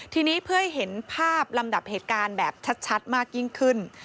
ทีนี้เพื่อให้เห็นภาพลำดับเหตุการณ์แบบชัดมากยิ่งขึ้น